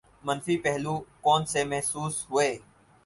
، منفی پہلو کون سے محسوس ہوئے؟